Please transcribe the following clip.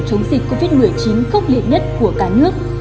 chống dịch covid một mươi chín khốc liệt nhất của cả nước